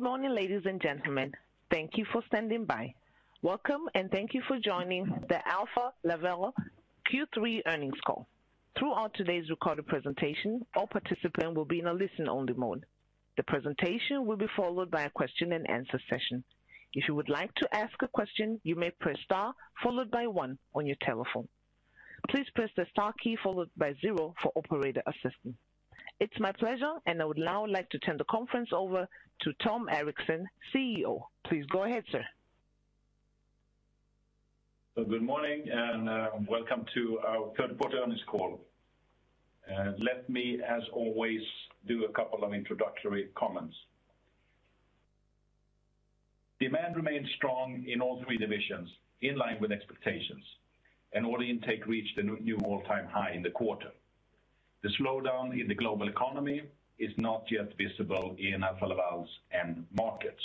Good morning, ladies and gentlemen. Thank you for standing by. Welcome, and thank you for joining the Alfa Laval Q3 earnings call. Throughout today's recorded presentation, all participants will be in a listen-only mode. The presentation will be followed by a question-and-answer session. If you would like to ask a question, you may press star followed by one on your telephone. Please press the star key followed by zero for operator assistance. It's my pleasure, and I would now like to turn the conference over to Tom Erixon, CEO. Please go ahead, sir. Good morning, and welcome to our third quarter earnings call. Let me, as always, do a couple of introductory comments. Demand remained strong in all three divisions, in line with expectations, and order intake reached a new all-time high in the quarter. The slowdown in the global economy is not yet visible in Alfa Laval's end markets.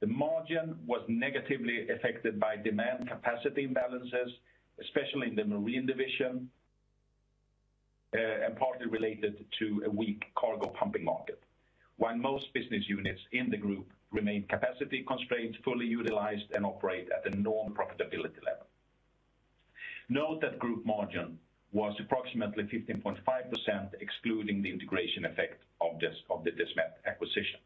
The margin was negatively affected by demand capacity imbalances, especially in the Marine Division, and partly related to a weak cargo pumping market. While most business units in the group remain capacity constrained, fully utilized, and operate at a normal profitability level. Note that group margin was approximately 15.5%, excluding the integration effect of the Desmet acquisition.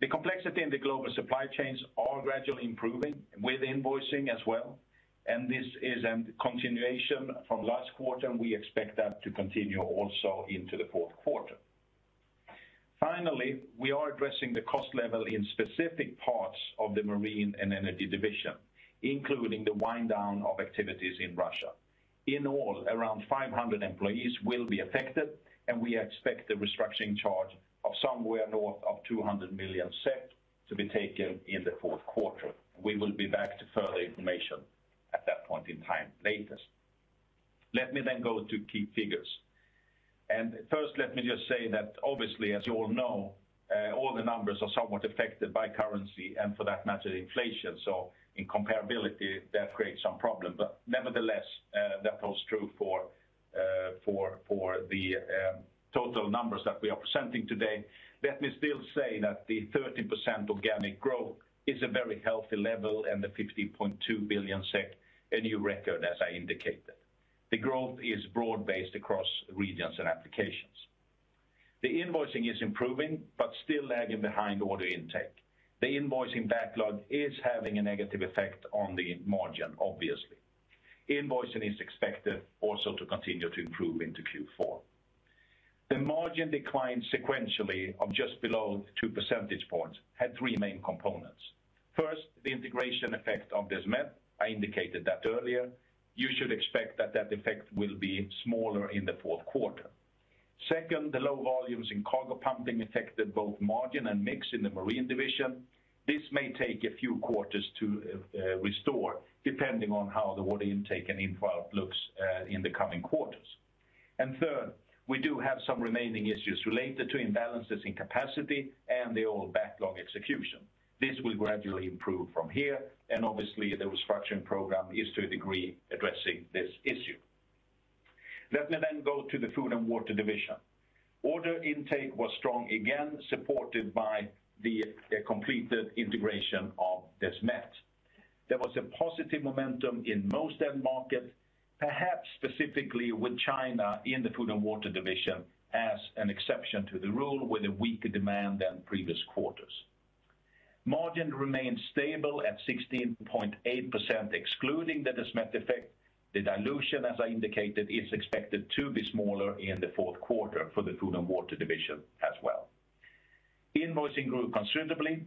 The complexity in the global supply chains are gradually improving with invoicing as well, and this is a continuation from last quarter, and we expect that to continue also into the fourth quarter. Finally, we are addressing the cost level in specific parts of the Marine and Energy Division, including the wind down of activities in Russia. In all, around 500 employees will be affected, and we expect the restructuring charge of somewhere north of 200 million SEK to be taken in the fourth quarter. We will be back to further information at that point in time later. Let me then go to key figures. First, let me just say that obviously, as you all know, all the numbers are somewhat affected by currency and for that matter, inflation. Incomparability creates some problem, but nevertheless, that holds true for the total numbers that we are presenting today. Let me still say that the 13% organic growth is a very healthy level, and the 15.2 billion SEK, a new record, as I indicated. The growth is broad-based across regions and applications. The invoicing is improving, but still lagging behind order intake. The invoicing backlog is having a negative effect on the margin, obviously. Invoicing is expected also to continue to improve into Q4. The margin decline sequentially of just below two percentage points had three main components. First, the integration effect of Desmet, I indicated that earlier. You should expect that effect will be smaller in the fourth quarter. Second, the low volumes in cargo pumping affected both margin and mix in the Marine Division. This may take a few quarters to restore, depending on how the order intake and inflow looks in the coming quarters. Third, we do have some remaining issues related to imbalances in capacity and the old backlog execution. This will gradually improve from here, and obviously, the restructuring program is, to a degree, addressing this issue. Let me then go to the Food & Water Division. Order intake was strong, again, supported by the completed integration of Desmet. There was a positive momentum in most end markets, perhaps specifically with China in the Food & Water Division as an exception to the rule with a weaker demand than previous quarters. Margin remained stable at 16.8%, excluding the Desmet effect. The dilution, as I indicated, is expected to be smaller in the fourth quarter for the Food & Water Division as well. Invoicing grew considerably,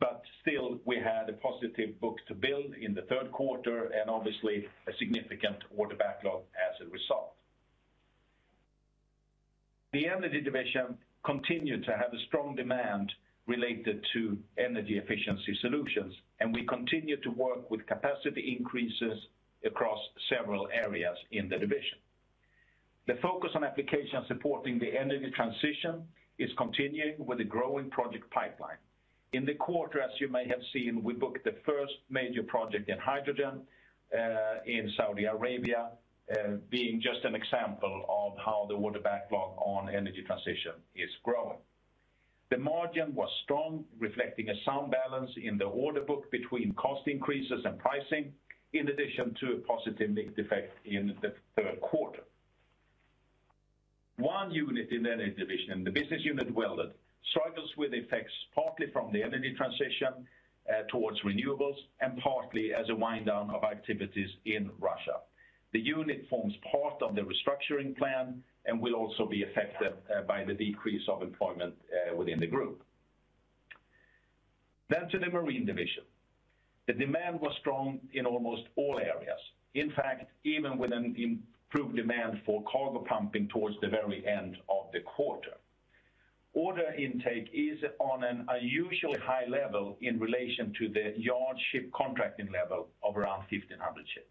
but still, we had a positive book-to-bill in the third quarter and obviously a significant order backlog as a result. The Energy Division continued to have a strong demand related to energy efficiency solutions, and we continue to work with capacity increases across several areas in the division. The focus on applications supporting the energy transition is continuing with a growing project pipeline. In the quarter, as you may have seen, we booked the first major project in hydrogen, in Saudi Arabia, being just an example of how the order backlog on energy transition is growing. The margin was strong, reflecting a sound balance in the order book between cost increases and pricing, in addition to a positive mix effect in the third quarter. One unit in the Energy Division, the business unit Welded, struggles with effects partly from the energy transition towards renewables, and partly as a wind down of activities in Russia. The unit forms part of the restructuring plan and will also be affected by the decrease of employment within the group. To the Marine Division. The demand was strong in almost all areas. In fact, even with an improved demand for cargo pumping towards the very end of the quarter. Order intake is on an unusually high level in relation to the yard ship contracting level of around 1,500 ships.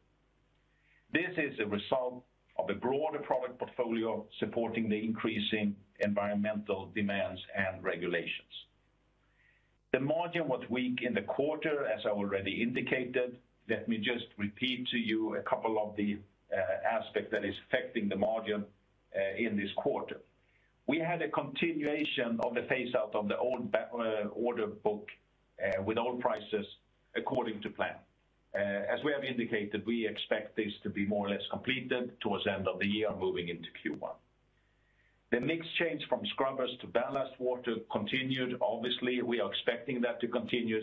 This is a result of a broader product portfolio supporting the increasing environmental demands and regulations. The margin was weak in the quarter, as I already indicated. Let me just repeat to you a couple of the aspects that is affecting the margin in this quarter. We had a continuation of the phase out of the old order book with old prices according to plan. As we have indicated, we expect this to be more or less completed towards the end of the year moving into Q1. The mix change from scrubbers to ballast water continued. Obviously, we are expecting that to continue.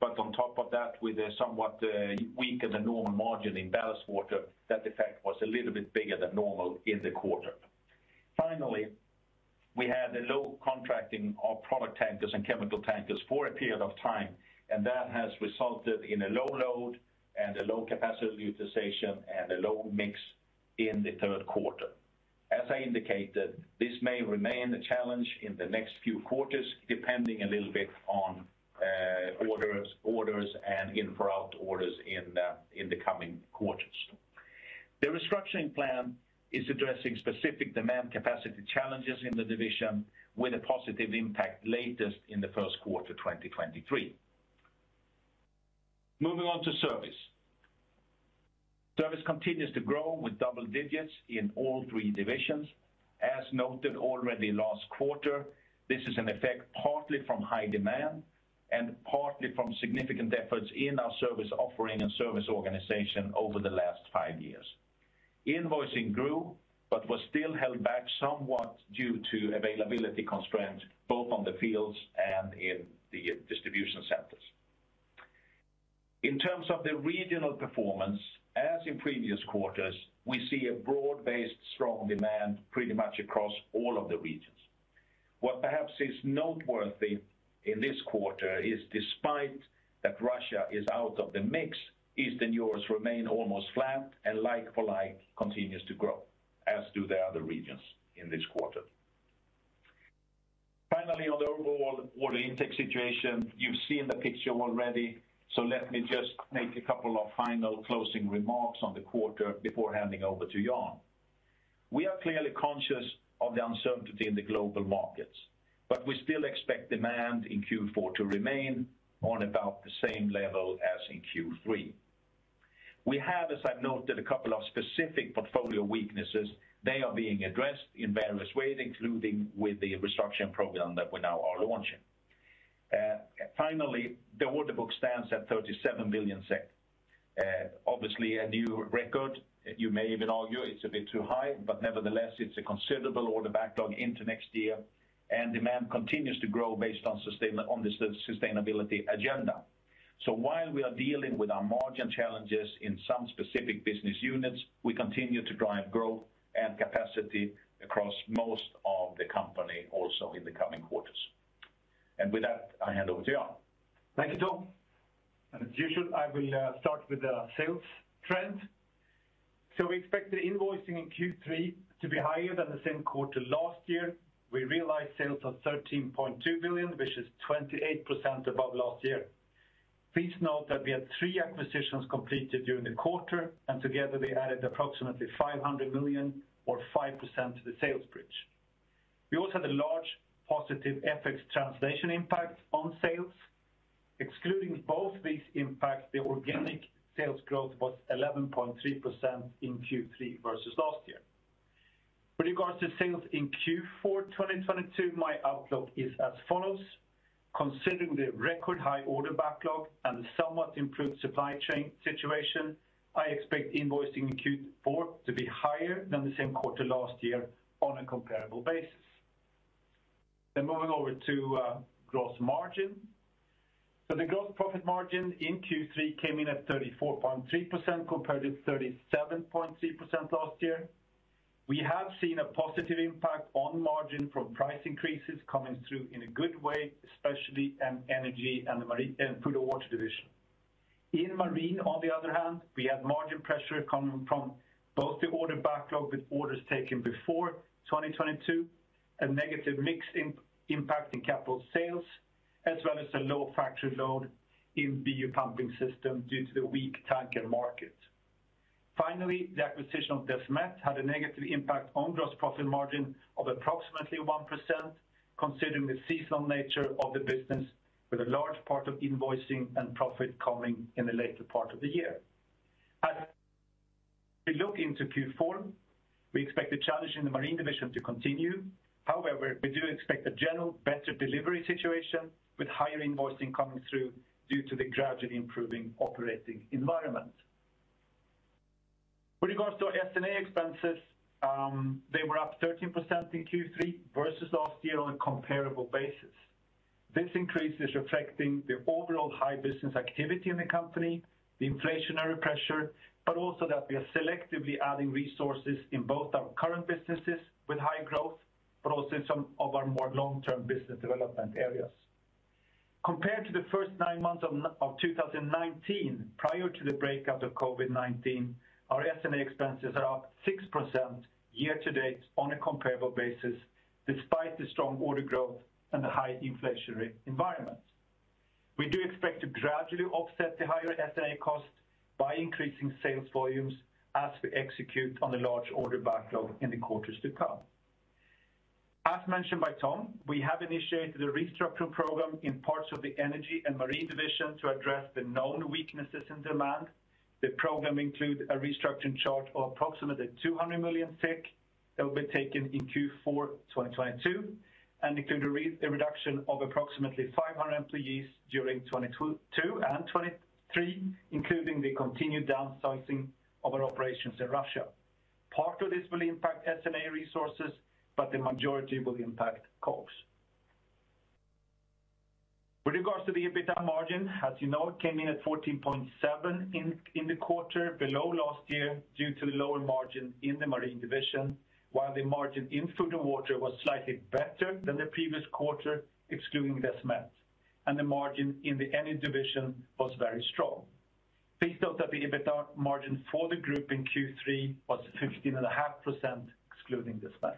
On top of that, with a somewhat weaker than normal margin in ballast water, that effect was a little bit bigger than normal in the quarter. Finally, we had a low contracting of product tankers and chemical tankers for a period of time, and that has resulted in a low load and a low capacity utilization and a low mix in the third quarter. As I indicated, this may remain a challenge in the next few quarters, depending a little bit on orders and in for out orders in the coming quarters. The restructuring plan is addressing specific demand capacity challenges in the division with a positive impact latest in the first quarter, 2023. Moving on to service. Service continues to grow with double digits in all three divisions. As noted already last quarter, this is an effect partly from high demand and partly from significant efforts in our service offering and service organization over the last five years. Invoicing grew, but was still held back somewhat due to availability constraints, both in the field and in the distribution centers. In terms of the regional performance, as in previous quarters, we see a broad-based strong demand pretty much across all of the regions. What perhaps is noteworthy in this quarter is despite that Russia is out of the mix, Eastern Europe remain almost flat and like for like continues to grow, as do the other regions in this quarter. Finally, on the overall order intake situation, you've seen the picture already, so let me just make a couple of final closing remarks on the quarter before handing over to Jan. We are clearly conscious of the uncertainty in the global markets, but we still expect demand in Q4 to remain on about the same level as in Q3. We have, as I've noted, a couple of specific portfolio weaknesses. They are being addressed in various ways, including with the restructuring program that we now are launching. Finally, the order book stands at 37 billion SEK. Obviously a new record. You may even argue it's a bit too high, but nevertheless, it's a considerable order backlog into next year, and demand continues to grow based on the sustainability agenda. While we are dealing with our margin challenges in some specific business units, we continue to drive growth and capacity across most of the company also in the coming quarters. With that, I hand over to Jan. Thank you, Tom. As usual, I will start with the sales trend. We expect the invoicing in Q3 to be higher than the same quarter last year. We realized sales of 13.2 billion, which is 28% above last year. Please note that we had three acquisitions completed during the quarter, and together they added approximately 500 million or 5% to the sales bridge. We also had a large positive FX translation impact on sales. Excluding both these impacts, the organic sales growth was 11.3% in Q3 versus last year. With regards to sales in Q4 2022, my outlook is as follows. Considering the record high order backlog and the somewhat improved supply chain situation, I expect invoicing in Q4 to be higher than the same quarter last year on a comparable basis. Moving over to gross margin. The gross profit margin in Q3 came in at 34.3% compared to 37.3% last year. We have seen a positive impact on margin from price increases coming through in a good way, especially in Energy and the Food & Water Division. In Marine, on the other hand, we had margin pressure coming from both the order backlog with orders taken before 2022, a negative mix impacting capital sales, as well as a low factory load in BU Pumping Systems due to the weak tanker market. Finally, the acquisition of Desmet had a negative impact on gross profit margin of approximately 1%, considering the seasonal nature of the business with a large part of invoicing and profit coming in the later part of the year. As we look into Q4, we expect the challenge in the Marine Division to continue. However, we do expect a general better delivery situation with higher invoicing coming through due to the gradually improving operating environment. With regards to our SG&A expenses, they were up 13% in Q3 versus last year on a comparable basis. This increase is reflecting the overall high business activity in the company, the inflationary pressure, but also that we are selectively adding resources in both our current businesses with high growth, but also in some of our more long-term business development areas. Compared to the first nine months of 2019, prior to the breakout of COVID-19, our SG&A expenses are up 6% year to date on a comparable basis, despite the strong order growth and the high inflationary environment. We do expect to gradually offset the higher SG&A costs by increasing sales volumes as we execute on the large order backlog in the quarters to come. As mentioned by Tom, we have initiated a restructuring program in parts of the Energy and Marine Division to address the known weaknesses in demand. The program includes a restructuring charge of approximately 200 million that will be taken in Q4 2022, and include a reduction of approximately 500 employees during 2022 and 2023, including the continued downsizing of our operations in Russia. Part of this will impact SG&A resources, but the majority will impact COGS. With regards to the EBITDA margin, as you know, it came in at 14.7% in the quarter, below last year due to the lower margin in the Marine Division, while the margin in Food & Water was slightly better than the previous quarter, excluding Desmet. The margin in the Energy Division was very strong. Based on that, the EBITDA margin for the group in Q3 was 15.5%, excluding Desmet.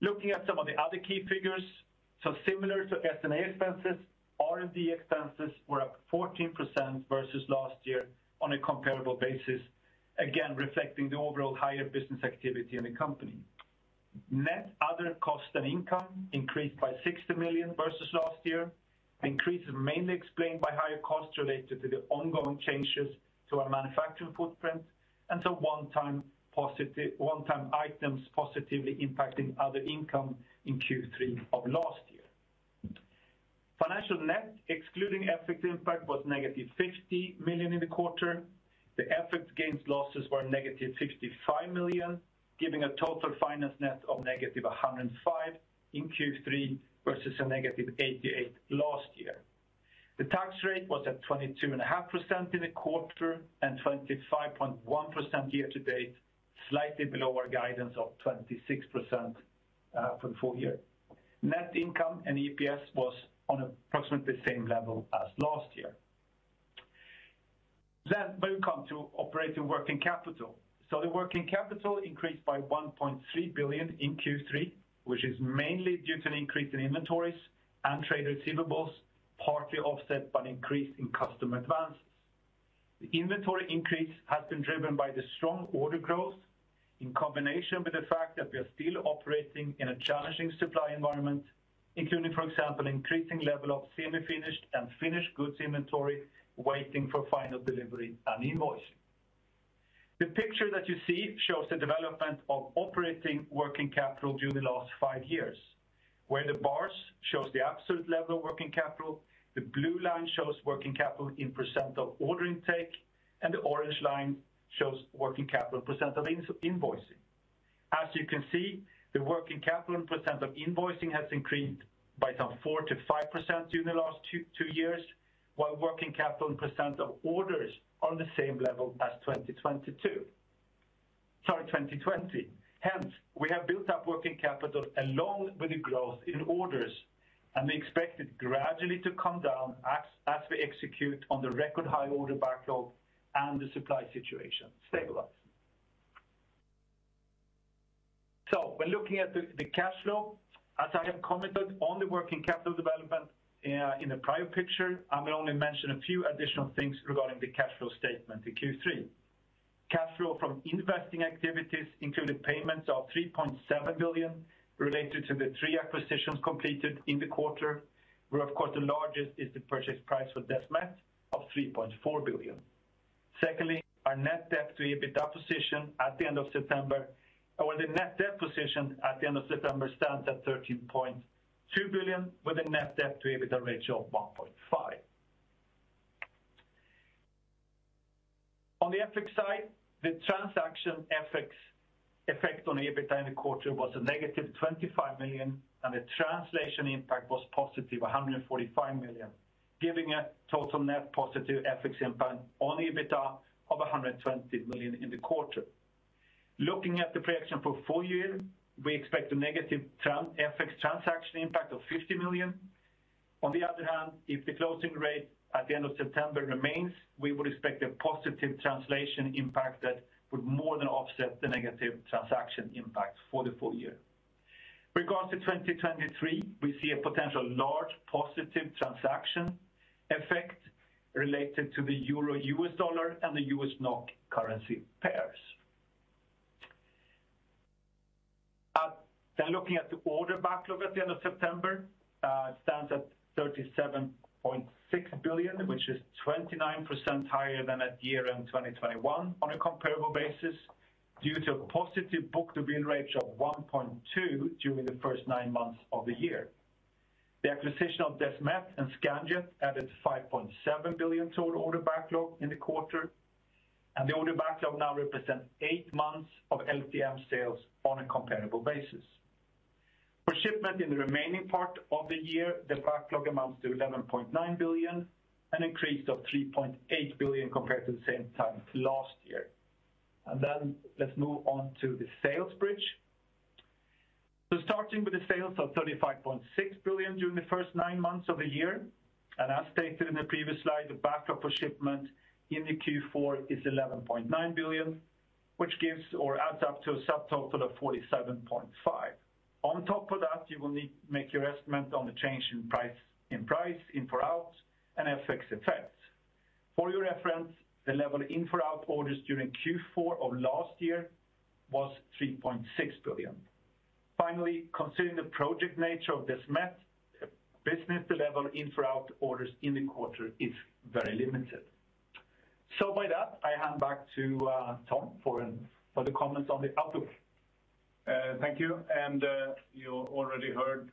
Looking at some of the other key figures, so similar to SG&A expenses, R&D expenses were up 14% versus last year on a comparable basis, again, reflecting the overall higher business activity in the company. Net other cost and income increased by 60 million versus last year. Increase is mainly explained by higher costs related to the ongoing changes to our manufacturing footprint, and to one-time items positively impacting other income in Q3 of last year. Financial net, excluding FX impact, was -50 million in the quarter. The FX gains losses were -55 million, giving a total finance net of -105 million in Q3, versus -88 million last year. The tax rate was at 22.5% in the quarter, and 25.1% year to date, slightly below our guidance of 26%, for the full year. Net income and EPS was on approximately the same level as last year. We come to operating working capital. The working capital increased by 1.3 billion in Q3, which is mainly due to an increase in inventories and trade receivables, partly offset by an increase in customer advances. The inventory increase has been driven by the strong order growth in combination with the fact that we are still operating in a challenging supply environment, including, for example, increasing level of semi-finished and finished goods inventory, waiting for final delivery and invoicing. The picture that you see shows the development of operating working capital during the last five years, where the bars shows the absolute level of working capital, the blue line shows working capital in % of order intake, and the orange line shows working capital % of invoicing. As you can see, the working capital in percent of invoicing has increased by some 4-5% during the last two years, while working capital in percent of orders are the same level as 2022. Sorry, 2020. Hence, we have built up working capital along with the growth in orders, and we expect it gradually to come down as we execute on the record high order backlog and the supply situation stabilizes. When looking at the cash flow, as I have commented on the working capital development in the prior picture, I will only mention a few additional things regarding the cash flow statement in Q3. Cash flow from investing activities included payments of 3.7 billion related to the three acquisitions completed in the quarter, where, of course, the largest is the purchase price for Desmet of 3.4 billion. Secondly, the net debt position at the end of September stands at 13.2 billion, with a net debt to EBITDA ratio of 1.5. On the FX side, the transaction FX effect on EBITDA in the quarter was a negative 25 million, and the translation impact was positive 145 million, giving a total net positive FX impact on EBITDA of 120 million in the quarter. Looking at the projection for full year, we expect a negative FX transaction impact of 50 million. On the other hand, if the closing rate at the end of September remains, we would expect a positive translation impact that would more than offset the negative transaction impact for the full year. Regarding 2023, we see a potential large positive transaction effect related to the Euro/US dollar and the US/NOK currency pairs. Looking at the order backlog at the end of September, it stands at 37.6 billion, which is 29% higher than at year-end 2021 on a comparable basis due to a positive book-to-bill rate of 1.2 during the first nine months of the year. The acquisition of Desmet and Scanjet added 5.7 billion to the order backlog in the quarter, and the order backlog now represents eight months of LTM sales on a comparable basis. For shipment in the remaining part of the year, the backlog amounts to 11.9 billion, an increase of 3.8 billion compared to the same time last year. Let's move on to the sales bridge. Starting with the sales of 35.6 billion during the first nine months of the year, and as stated in the previous slide, the backlog for shipment into Q4 is 11.9 billion, which gives or adds up to a subtotal of 47.5 billion. On top of that, you will need to make your estimate on the change in price, order inflow and FX effects. For your reference, the level of order inflow during Q4 of last year was 3.6 billion. Finally, considering the project nature of this Marine business, the level of order inflow in the quarter is very limited. With that, I hand back to Tom Erixon for the comments on the outlook. Thank you. You already heard,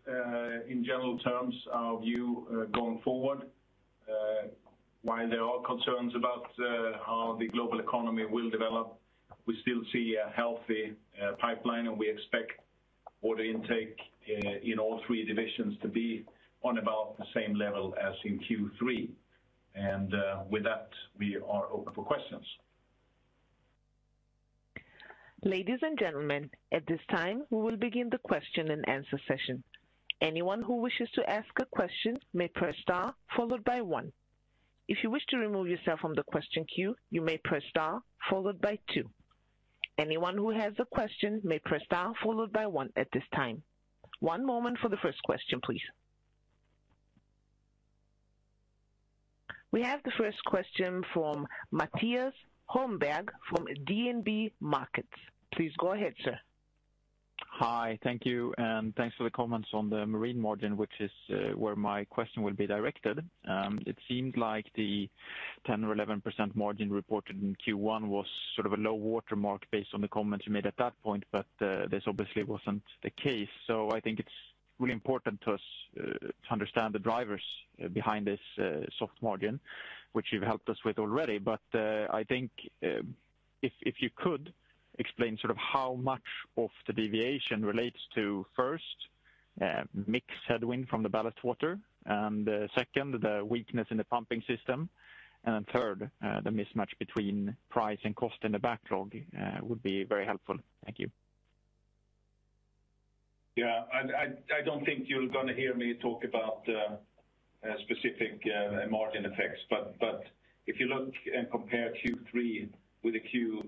in general terms, our view going forward. While there are concerns about how the global economy will develop, we still see a healthy pipeline, and we expect order intake in all three divisions to be on about the same level as in Q3. With that, we are open for questions. Ladies and gentlemen, at this time, we will begin the question and answer session. Anyone who wishes to ask a question may press star followed by one. If you wish to remove yourself from the question queue, you may press star followed by two. Anyone who has a question may press star followed by one at this time. One moment for the first question, please. We have the first question from Mattias Holmberg from DNB Markets. Please go ahead, sir. Hi. Thank you. Thanks for the comments on the Marine margin, which is where my question will be directed. It seemed like the 10% or 11% margin reported in Q1 was sort of a low watermark based on the comments you made at that point, but this obviously wasn't the case. I think it's really important to us to understand the drivers behind this soft margin, which you've helped us with already. I think if you could explain sort of how much of the deviation relates to, first, mix headwind from the ballast water, and second, the weakness in the pumping system, and then third, the mismatch between price and cost in the backlog, would be very helpful. Thank you. Yeah. I don't think you're gonna hear me talk about specific margin effects, but if you look and compare Q3 with the Q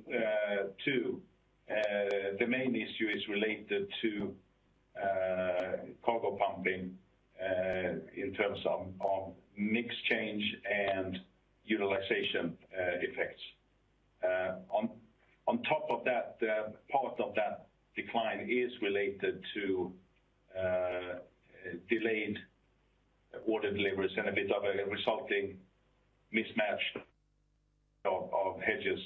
two, the main issue is related to cargo pumping in terms of mix change and utilization effects. On top of that, part of that decline is related to delayed order deliveries and a bit of a resulting mismatch of hedges.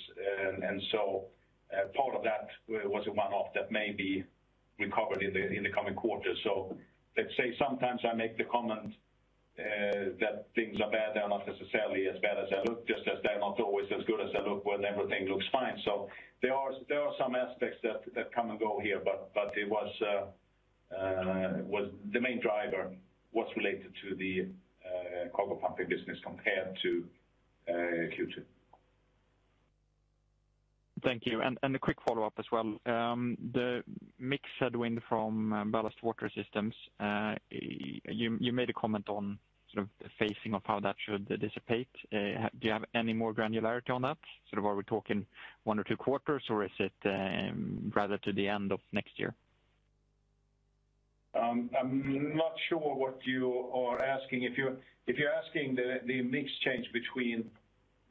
Part of that was a one-off that may be recovered in the coming quarters. Let's say sometimes I make the comment that things are bad. They are not necessarily as bad as they look, just as they're not always as good as they look when everything looks fine. There are some aspects that come and go here, but the main driver was related to the cargo pumping business compared to Q2. Thank you. A quick follow-up as well. The mix headwind from ballast water systems, you made a comment on sort of the phasing of how that should dissipate. Do you have any more granularity on that? Sort of are we talking one or two quarters, or is it rather to the end of next year? I'm not sure what you are asking. If you're asking the mix change between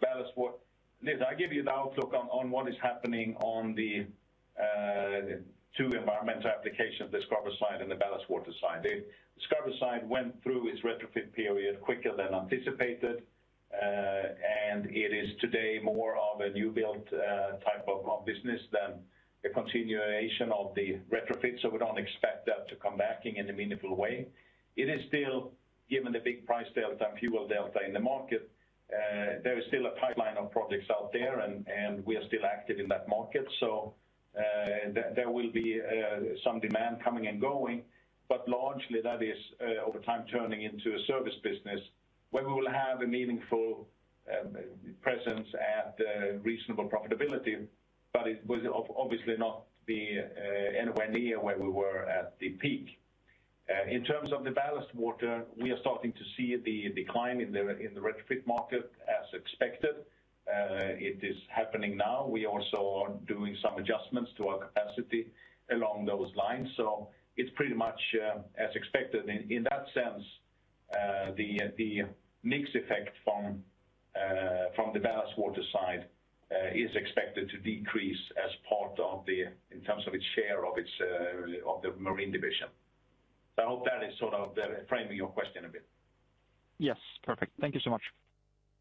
ballast water, listen, I'll give you the outlook on what is happening on the two environmental applications, the scrubber side and the ballast water side. The scrubber side went through its retrofit period quicker than anticipated. It is today more of a new build type of business than a continuation of the retrofit, so we don't expect that to come back in any meaningful way. It is still, given the big price delta and fuel delta in the market, there is still a pipeline of projects out there and we are still active in that market. There will be some demand coming and going, but largely that is over time turning into a service business where we will have a meaningful presence at reasonable profitability. It was obviously not anywhere near where we were at the peak. In terms of the ballast water, we are starting to see the decline in the retrofit market as expected. It is happening now. We also are doing some adjustments to our capacity along those lines. It's pretty much as expected. In that sense, the mix effect from the ballast water side is expected to decrease as part of the in terms of its share of its of the Marine Division. I hope that is sort of framing your question a bit. Yes. Perfect. Thank you so much.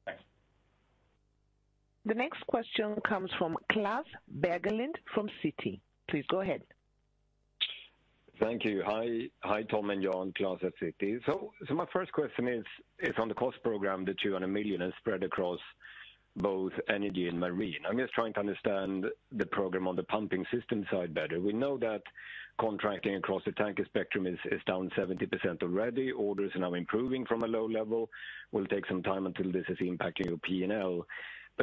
Thanks. The next question comes from Klas Bergelind from Citi. Please go ahead. Thank you. Hi. Hi, Tom and Jan. Klas Bergelind at Citi. My first question is on the cost program. The 200 million is spread across both energy and Marine. I'm just trying to understand the program on the pumping system side better. We know that contracting across the tanker spectrum is down 70% already. Orders are now improving from a low level. It will take some time until this is impacting your P&L.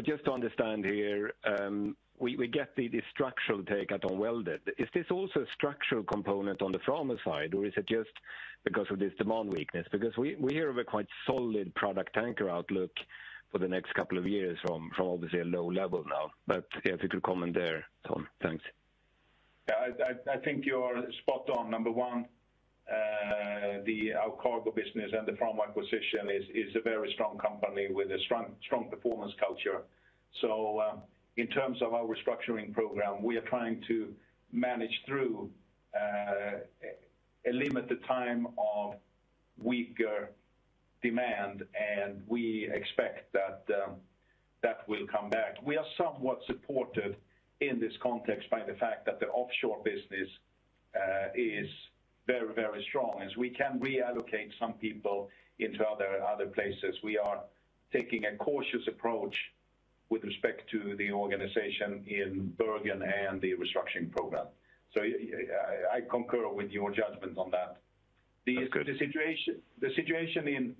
Just to understand here, we get the structural take out on welded. Is this also a structural component on the Framo side, or is it just because of this demand weakness? Because we hear of a quite solid product tanker outlook for the next couple of years from obviously a low level now. Yeah, if you could comment there, Tom. Thanks. Yeah, I think you're spot on. Number one, our cargo business and the Framo acquisition is a very strong company with a strong performance culture. In terms of our restructuring program, we are trying to manage through a limited time of weaker demand, and we expect that that will come back. We are somewhat supported in this context by the fact that the offshore business is very strong as we can reallocate some people into other places. We are taking a cautious approach with respect to the organization in Bergen and the restructuring program. Yeah, I concur with your judgment on that. That's good. The situation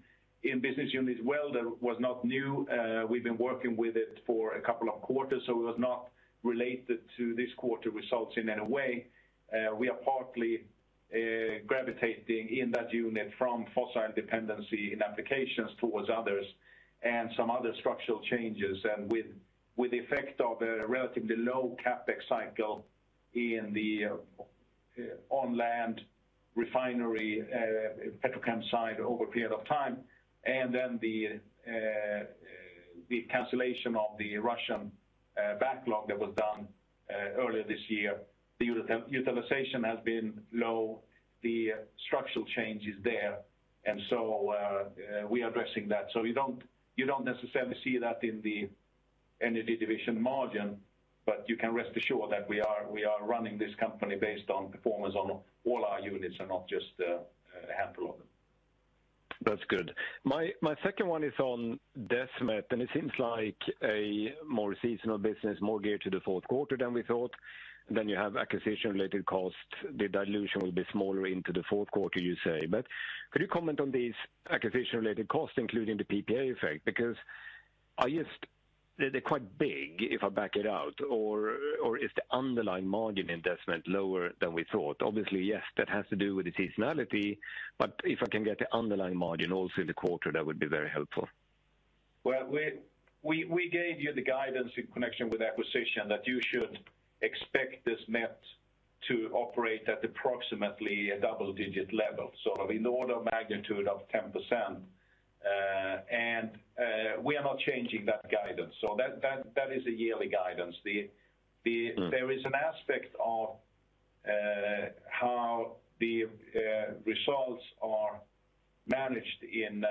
in business unit Welded was not new. We've been working with it for a couple of quarters, so it was not related to this quarter's results in any way. We are partly gravitating in that unit from fossil dependency in applications towards others and some other structural changes. With the effect of a relatively low CapEx cycle in the on-land refinery, petrochemical side over a period of time, and then the cancellation of the Russian backlog that was done earlier this year, the utilization has been low, the structural change is there, and we are addressing that. You don't necessarily see that in the Energy Division margin, but you can rest assured that we are running this company based on performance on all our units and not just a handful of them. That's good. My second one is on Desmet, and it seems like a more seasonal business, more geared to the fourth quarter than we thought. You have acquisition-related costs. The dilution will be smaller into the fourth quarter, you say. Could you comment on these acquisition-related costs, including the PPA effect? Because they're quite big if I back it out, or is the underlying margin in Desmet lower than we thought? Obviously, yes, that has to do with the seasonality, but if I can get the underlying margin also in the quarter, that would be very helpful. Well, we gave you the guidance in connection with acquisition that you should expect Desmet to operate at approximately a double-digit level, so in the order of magnitude of 10%. We are not changing that guidance. That is a yearly guidance. Mm. There is an aspect of how the results are managed in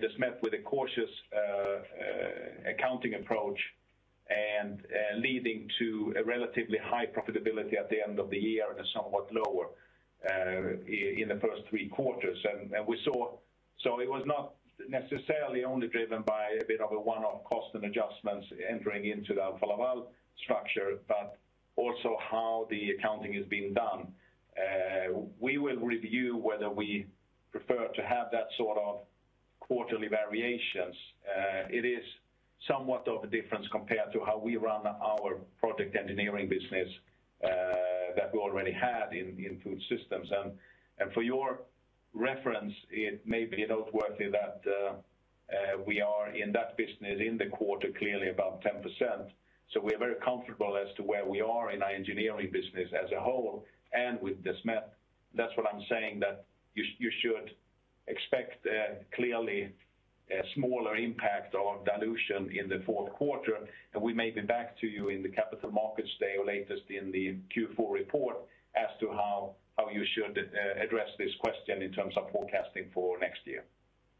Desmet with a cautious accounting approach and leading to a relatively high profitability at the end of the year and somewhat lower in the first three quarters. It was not necessarily only driven by a bit of a one-off cost and adjustments entering into the Alfa Laval structure, but also how the accounting is being done. We will review whether we prefer to have that sort of quarterly variations. It is somewhat of a difference compared to how we run our project engineering business that we already had in Food Systems. For your reference, it may be noteworthy that we are in that business in the quarter, clearly above 10%. We are very comfortable as to where we are in our engineering business as a whole and with Desmet. That's what I'm saying, that you should expect clearly a smaller impact or dilution in the fourth quarter, and we may be back to you in the Capital Markets Day or latest in the Q4 report as to how you should address this question in terms of forecasting for next year.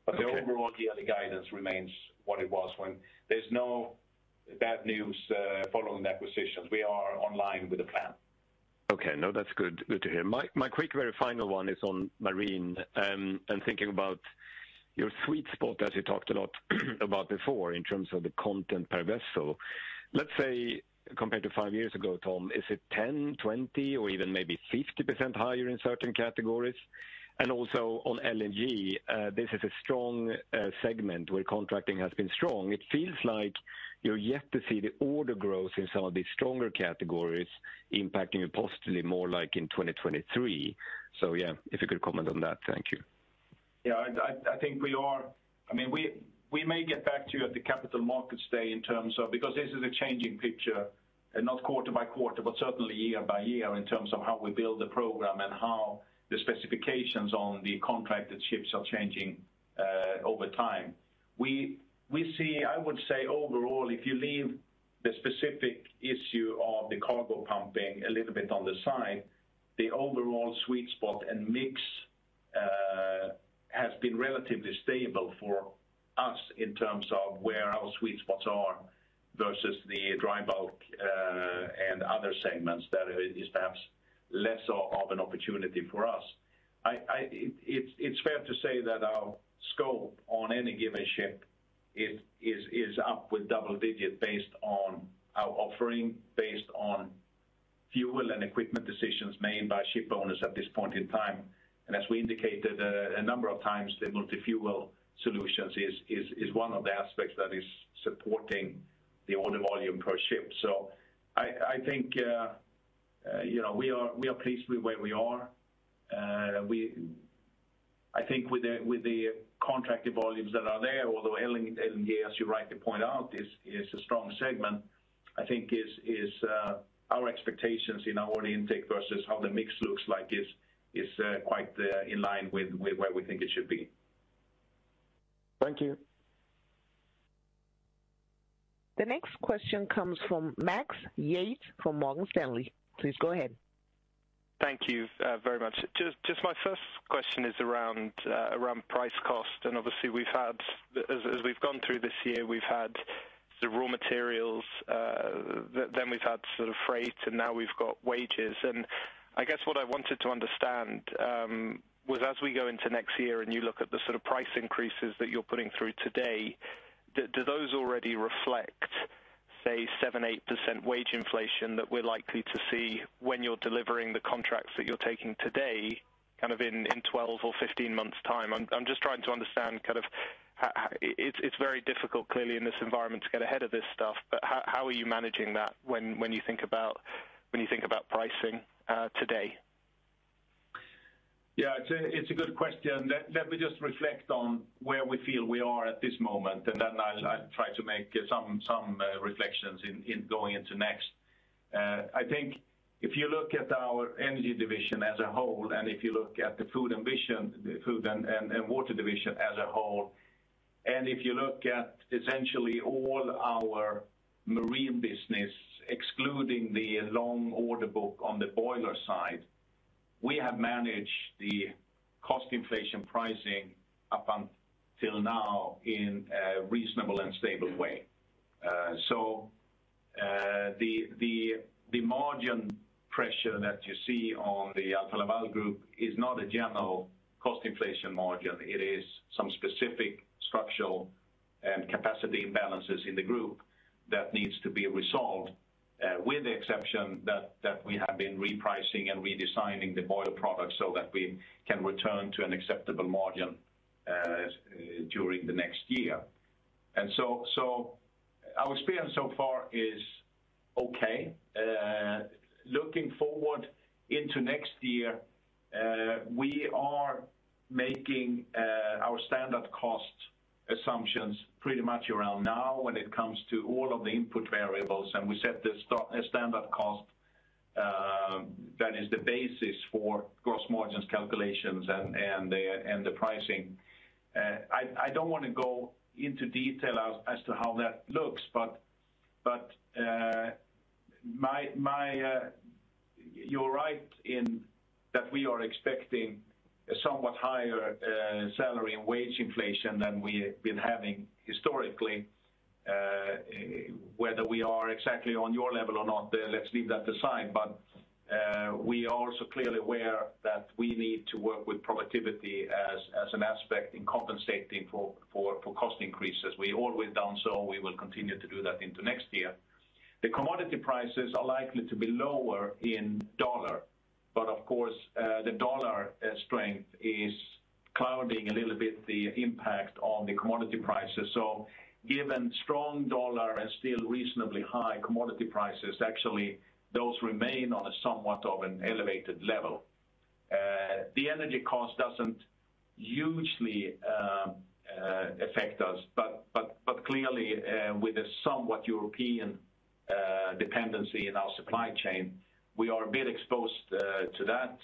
Okay. The overall yearly guidance remains what it was. There's no bad news following the acquisitions. We are online with the plan. Okay. No, that's good to hear. My quick very final one is on Marine and thinking about your sweet spot, as you talked a lot about before, in terms of the content per vessel. Let's say compared to five years ago, Tom, is it 10, 20, or even maybe 50% higher in certain categories? Also on LNG, this is a strong segment where contracting has been strong. It feels like you're yet to see the order growth in some of these stronger categories impacting it positively, more like in 2023. Yeah, if you could comment on that. Thank you. Yeah, I think, I mean, we may get back to you at the Capital Markets Day in terms of, because this is a changing picture, not quarter by quarter, but certainly year by year in terms of how we build the program and how the specifications on the contracted ships are changing over time. We see, I would say overall, if you leave the specific issue of the cargo pumping a little bit on the side, the overall sweet spot and mix has been relatively stable for us in terms of where our sweet spots are versus the dry bulk and other segments that is perhaps less of an opportunity for us. It's fair to say that our scope on any given ship is up double-digit based on our offering, based on fuel and equipment decisions made by ship owners at this point in time. As we indicated a number of times, the multi-fuel solutions is one of the aspects that is supporting the order volume per ship. I think, you know, we are pleased with where we are. I think with the contracted volumes that are there, although LNG, as you rightly point out, is a strong segment, our expectations in our order intake versus how the mix looks like is quite in line with where we think it should be. Thank you. The next question comes from Max Yates from Morgan Stanley. Please go ahead. Thank you, very much. Just my first question is around price cost. Obviously we've had, as we've gone through this year, we've had the raw materials, then we've had sort of freight, and now we've got wages. I guess what I wanted to understand was as we go into next year and you look at the sort of price increases that you're putting through today, do those already reflect, say, 7, 8% wage inflation that we're likely to see when you're delivering the contracts that you're taking today, kind of in 12 or 15 months' time? I'm just trying to understand kind of how. It's very difficult, clearly, in this environment to get ahead of this stuff, but how are you managing that when you think about pricing today? Yeah, it's a good question. Let me just reflect on where we feel we are at this moment, and then I'll try to make some reflections in going into next. I think if you look at our Energy Division as a whole, and if you look at the Food and Water Division as a whole, and if you look at essentially all our Marine business, excluding the long order book on the boiler side, we have managed the cost inflation pricing up until now in a reasonable and stable way. The margin pressure that you see on the Alfa Laval group is not a general cost inflation margin. It is some specific structural and capacity imbalances in the group that needs to be resolved, with the exception that we have been repricing and redesigning the boiler products so that we can return to an acceptable margin during the next year. Our experience so far is okay. Looking forward into next year, we are making our standard cost assumptions pretty much around now when it comes to all of the input variables, and we set the standard cost that is the basis for gross margins calculations and the pricing. I don't wanna go into detail as to how that looks, but you're right in that we are expecting a somewhat higher salary and wage inflation than we have been having historically. Whether we are exactly on your level or not, let's leave that aside. We are also clearly aware that we need to work with productivity as an aspect in compensating for cost increases. We always done so, we will continue to do that into next year. The commodity prices are likely to be lower in dollar, but of course, the dollar strength is clouding a little bit the impact on the commodity prices. Given strong dollar and still reasonably high commodity prices, actually those remain on a somewhat of an elevated level. The energy cost doesn't hugely affect us, but clearly, with a somewhat European dependency in our supply chain, we are a bit exposed to that.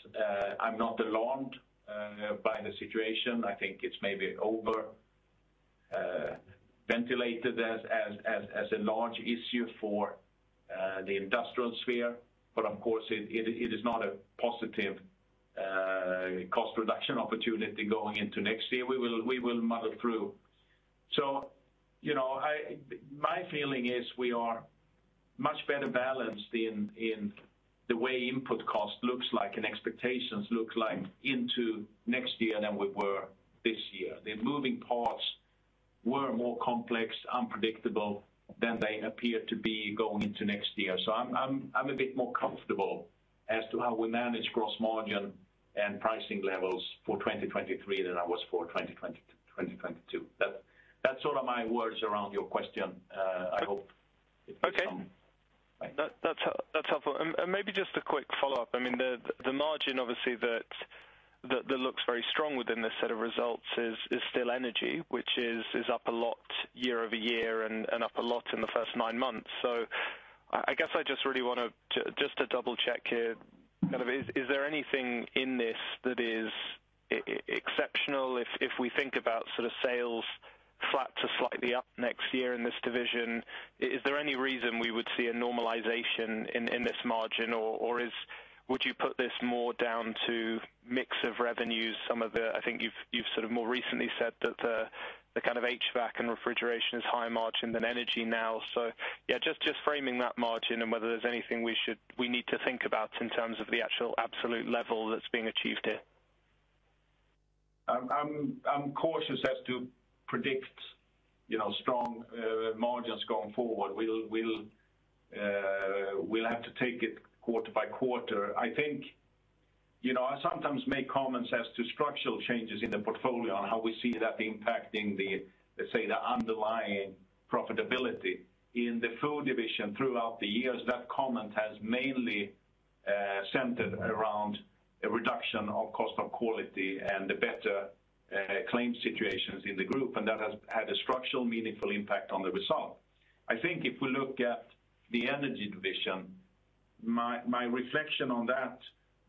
I'm not alarmed by the situation. I think it's maybe over ventilated as a large issue for the industrial sphere. Of course, it is not a positive cost reduction opportunity going into next year. We will muddle through. You know, my feeling is we are much better balanced in the way input cost looks like and expectations look like into next year than we were this year. The moving parts were more complex, unpredictable than they appear to be going into next year. I'm a bit more comfortable as to how we manage gross margin and pricing levels for 2023 than I was for 2020, 2022. That's all of my words around your question. I hope it gives some. Okay. That's helpful. Maybe just a quick follow-up. I mean, the margin obviously that looks very strong within this set of results is still Energy, which is up a lot year-over-year and up a lot in the first nine months. I guess I just really wanna just to double-check here, kind of is there anything in this that is exceptional? If we think about sort of sales flat to slightly up next year in this division, is there any reason we would see a normalization in this margin? Or would you put this more down to mix of revenues? Some of the I think you've sort of more recently said that the kind of HVAC and refrigeration is higher margin than Energy now. Yeah, just framing that margin and whether there's anything we need to think about in terms of the actual absolute level that's being achieved here. I'm cautious as to predict, you know, strong margins going forward. We'll have to take it quarter by quarter. You know, I sometimes make comments as to structural changes in the portfolio and how we see that impacting the, let's say, the underlying profitability. In the Food Division throughout the years, that comment has mainly centered around a reduction of cost of quality and the better claim situations in the group, and that has had a structural meaningful impact on the result. I think if we look at the Energy Division, my reflection on that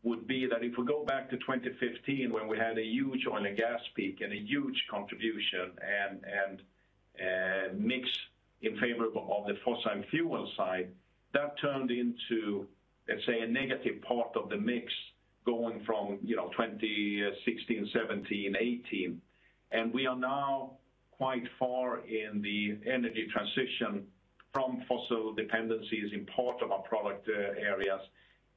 would be that if we go back to 2015 when we had a huge oil and gas peak and a huge contribution and mix in favor of the fossil and fuel side, that turned into, let's say, a negative part of the mix going from, you know, 2016, 2017, 2018. We are now quite far in the energy transition from fossil dependencies in part of our product areas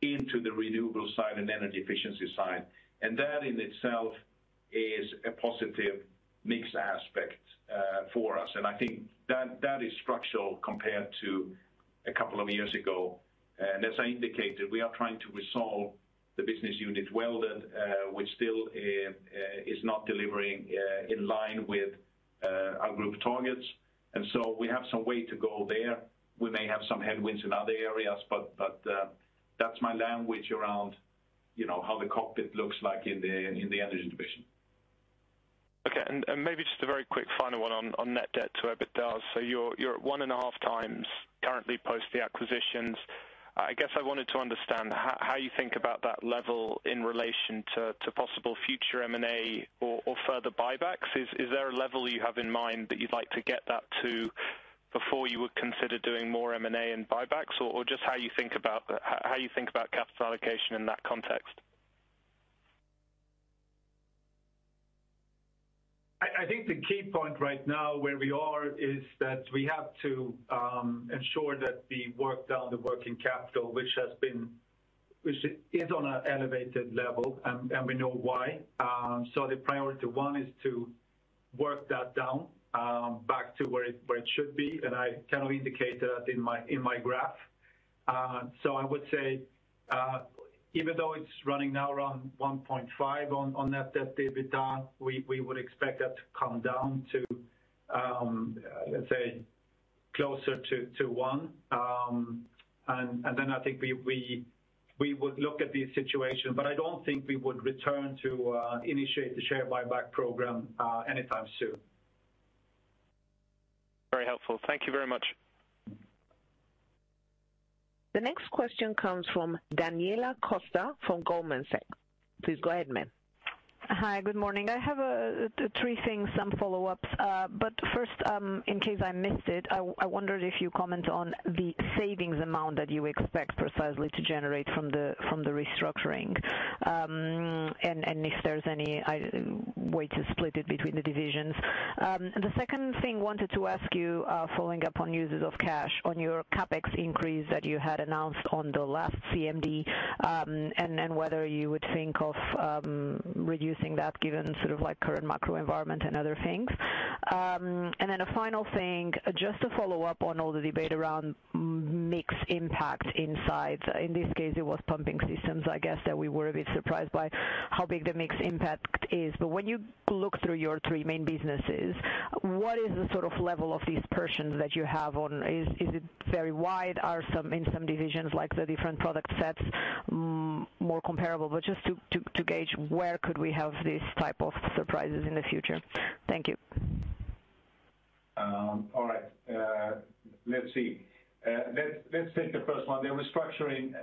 into the renewable side and energy efficiency side. That in itself is a positive mix aspect for us. I think that is structural compared to a couple of years ago. As I indicated, we are trying to resolve the business unit Welded, which still is not delivering in line with our group targets. We have some way to go there. We may have some headwinds in other areas, but that's my language around, you know, how the cockpit looks like in the Energy Division. Okay. Maybe just a very quick final one on net debt to EBITDA. So you're at one and a half times currently post the acquisitions. I guess I wanted to understand how you think about that level in relation to possible future M&A or further buybacks. Is there a level you have in mind that you'd like to get that to before you would consider doing more M&A and buybacks? Just how you think about capital allocation in that context? I think the key point right now where we are is that we have to ensure that we work down the working capital, which is on an elevated level, and we know why. The priority one is to work that down back to where it should be. I kind of indicate that in my graph. I would say even though it's running now around 1.5 on net debt to EBITDA, we would expect that to come down to let's say closer to 1. Then I think we would look at the situation, but I don't think we would return to initiate the share buyback program anytime soon. Very helpful. Thank you very much. The next question comes from Daniela Costa from Goldman Sachs. Please go ahead, ma'am. Hi. Good morning. I have three things, some follow-ups. First, in case I missed it, I wondered if you comment on the savings amount that you expect precisely to generate from the restructuring, and if there's any way to split it between the divisions? The second thing I wanted to ask you, following up on uses of cash on your CapEx increase that you had announced on the last CMD, and whether you would think of reducing that given sort of like current macro environment and other things? A final thing, just to follow up on all the debate around mix impact inside. In this case, it was pumping systems, I guess, that we were a bit surprised by how big the mix impact is. When you look through your three main businesses, what is the sort of level of dispersion that you have on? Is it very wide? Are some in some divisions, like the different product sets, more comparable? But just to gauge where could we have these type of surprises in the future? Thank you. All right. Let's take the first one. The restructuring,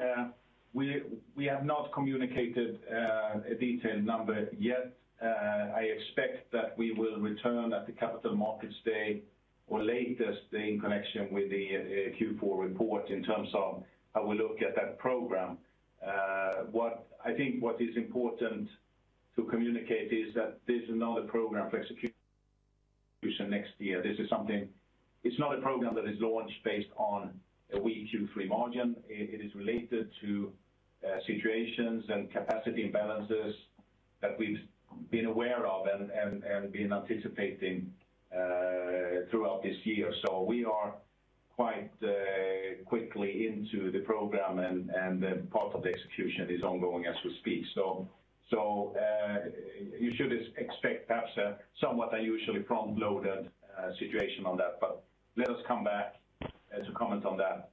we have not communicated a detailed number yet. I expect that we will return at the Capital Markets Day or latest in connection with the Q4 report in terms of how we look at that program. I think what is important to communicate is that this is not a program for execution next year. This is something. It's not a program that is launched based on a weak Q3 margin. It is related to situations and capacity imbalances that we've been aware of and been anticipating throughout this year. We are quite quickly into the program, and part of the execution is ongoing as we speak. You should expect perhaps a somewhat unusually front-loaded situation on that. Let us come back to comment on that.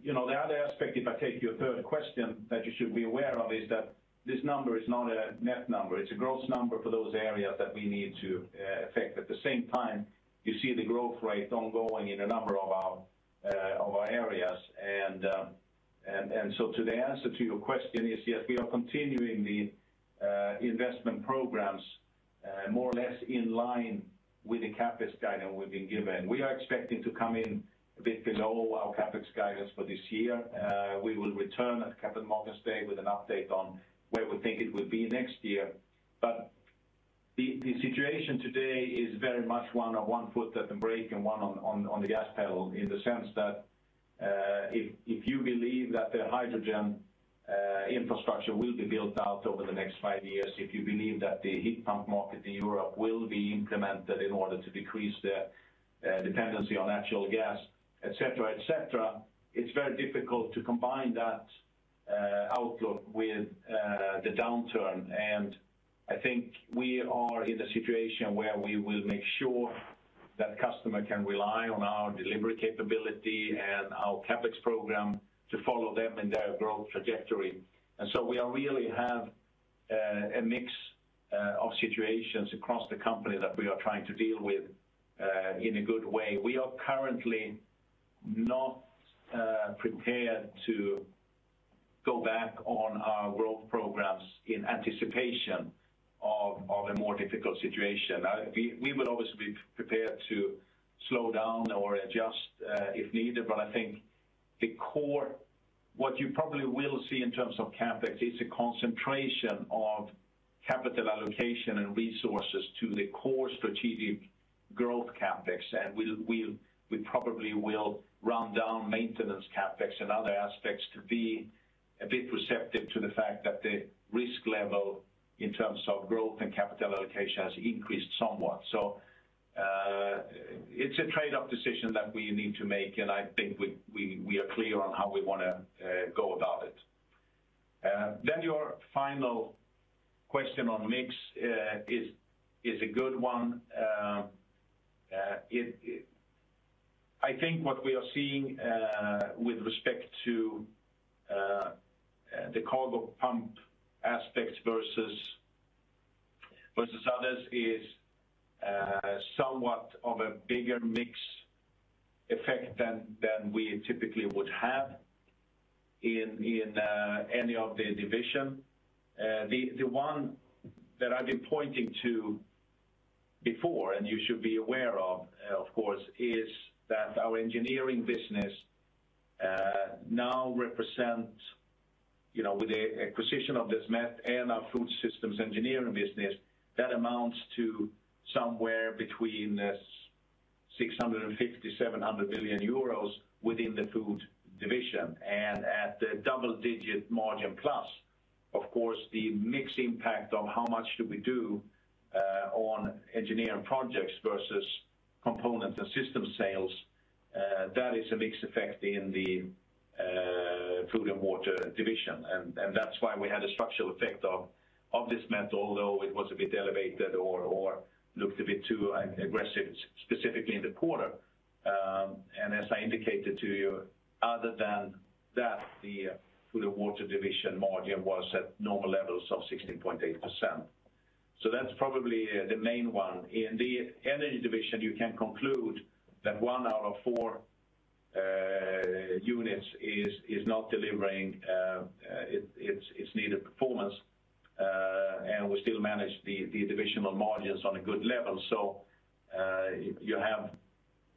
You know, the other aspect, if I take your third question, that you should be aware of is that this number is not a net number. It's a gross number for those areas that we need to affect. At the same time, you see the growth rate ongoing in a number of our areas. The answer to your question is, yes, we are continuing the investment programs more or less in line with the CapEx guidance we've been given. We are expecting to come in a bit below our CapEx guidance for this year. We will return at Capital Markets Day with an update on where we think it will be next year. The situation today is very much one of one foot at the brake and one on the gas pedal in the sense that if you believe that the hydrogen infrastructure will be built out over the next five years, if you believe that the heat pump market in Europe will be implemented in order to decrease the dependency on actual gas, et cetera, et cetera. It's very difficult to combine that outlook with the downturn. I think we are in a situation where we will make sure that customer can rely on our delivery capability and our CapEx program to follow them in their growth trajectory. We really have a mix of situations across the company that we are trying to deal with in a good way. We are currently not prepared to go back on our growth programs in anticipation of a more difficult situation. We would always be prepared to slow down or adjust if needed, but I think the core, what you probably will see in terms of CapEx, is a concentration of capital allocation and resources to the core strategic growth CapEx. We probably will run down maintenance CapEx and other aspects to be a bit perceptive to the fact that the risk level in terms of growth and capital allocation has increased somewhat. It's a trade-off decision that we need to make, and I think we are clear on how we wanna go about it. Your final question on mix is a good one. I think what we are seeing with respect to the cargo pumping aspects versus others is somewhat of a bigger mix effect than we typically would have in any of the division. The one that I've been pointing to before, and you should be aware of course, is that our engineering business now represent, you know, with the acquisition of Desmet and our food systems engineering business, that amounts to somewhere between 650 million-700 million euros within the Food Division. At the double-digit margin plus, of course, the mix impact of how much do we do on engineering projects versus components and system sales, that is a mix effect in the Food & Water Division. That's why we had a structural effect of this mix, although it was a bit elevated or looked a bit too aggressive, specifically in the quarter. As I indicated to you, other than that, the Food & Water Division margin was at normal levels of 16.8%. That's probably the main one. In the Energy Division, you can conclude that one out of four units is not delivering its needed performance. We still manage the divisional margins on a good level. You have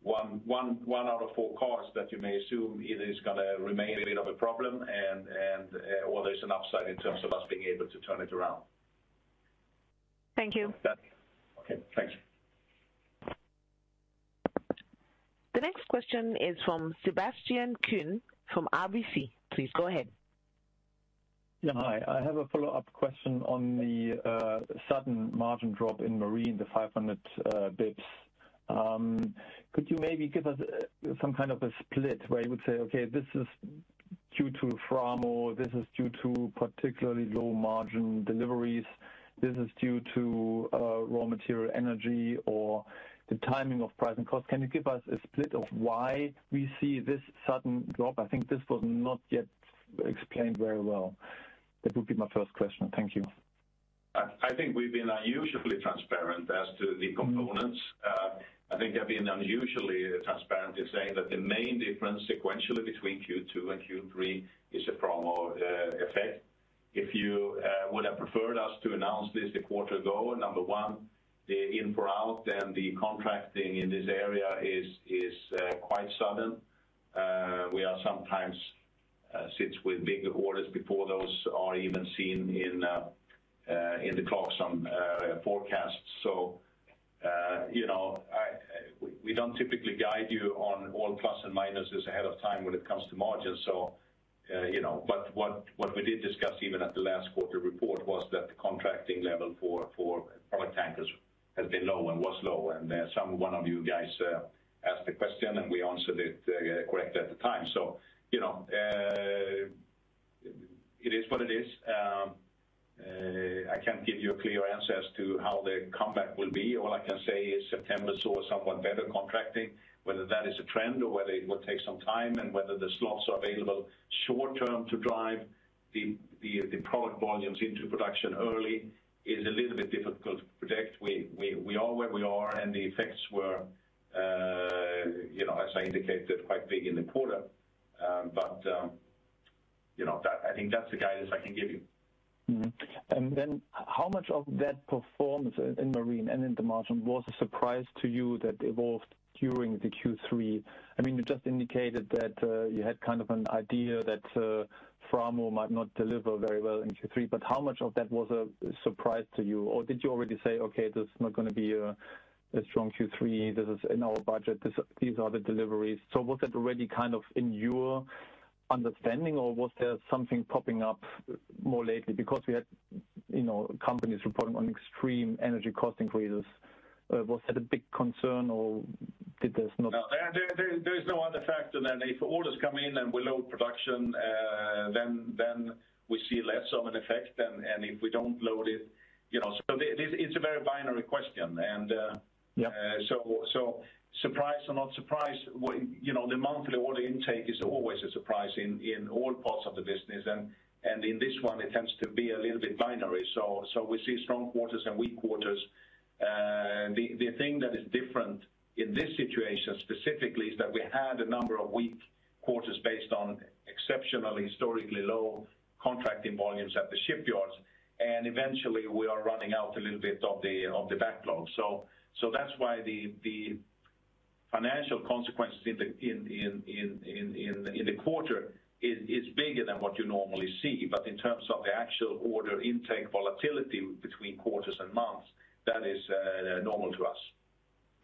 one out of four cars that you may assume either is gonna remain a bit of a problem or there's an upside in terms of us being able to turn it around. Thank you. Okay. Thanks. The next question is from Sebastian Kuenne from RBC Capital Markets. Please go ahead. Yeah. Hi. I have a follow-up question on the sudden margin drop in Marine, the 500 bps. Could you maybe give us some kind of a split where you would say, okay, this is due to Framo, this is due to particularly low margin deliveries, this is due to raw material energy or the timing of price and cost. Can you give us a split of why we see this sudden drop? I think this was not yet explained very well. That would be my first question. Thank you. I think we've been unusually transparent as to the components. I think I've been unusually transparent in saying that the main difference sequentially between Q2 and Q3 is a Framo effect. If you would have preferred us to announce this a quarter ago, number one, the in for out and the contracting in this area is quite sudden. We are sometimes hit with bigger orders before those are even seen in the order books on forecasts. You know, we don't typically guide you on all plus and minuses ahead of time when it comes to margins. You know, what we did discuss even at the last quarter report was that the contracting level for product tankers has been low and was low. Someone of you guys asked the question, and we answered it correct at the time. You know, it is what it is. I can't give you a clear answer as to how the comeback will be. All I can say is September saw somewhat better contracting, whether that is a trend or whether it will take some time and whether the slots are available short-term to drive the product volumes into production early is a little bit difficult to predict. We are where we are, and the effects were, you know, as I indicated, quite big in the quarter. You know, I think that's the guidance I can give you. Then how much of that performance in Marine and in the margin was a surprise to you that evolved during the Q3? I mean, you just indicated that you had kind of an idea that Framo might not deliver very well in Q3, but how much of that was a surprise to you? Or did you already say, "Okay, this is not gonna be a strong Q3. This is in our budget. These are the deliveries." Was that already kind of in your understanding or was there something popping up more lately? Because we had, you know, companies reporting on extreme energy cost increases. Was that a big concern, or did this not- No. There is no other factor than if orders come in and we load production, then we see less of an effect than, and if we don't load it, you know. It's a very binary question. Yeah. Surprise or not surprise, you know, the monthly order intake is always a surprise in all parts of the business. In this one, it tends to be a little bit binary. We see strong quarters and weak quarters. The thing that is different in this situation specifically is that we had a number of weak quarters based on exceptionally historically low contracting volumes at the shipyards. Eventually, we are running out a little bit of the backlog. That's why the financial consequences in the quarter is bigger than what you normally see. In terms of the actual order intake volatility between quarters and months, that is normal to us.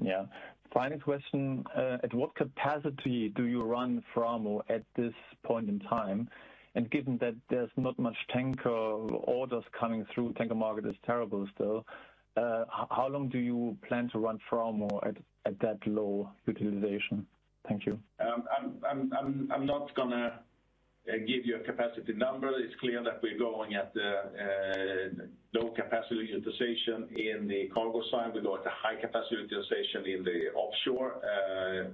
Yeah. Final question. At what capacity do you run Framo at this point in time? Given that there's not much tanker orders coming through, tanker market is terrible still, how long do you plan to run Framo at that low utilization? Thank you. I'm not gonna give you a capacity number. It's clear that we're going at low capacity utilization in the cargo side. We're going at a high capacity utilization in the offshore.